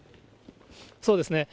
そうですね。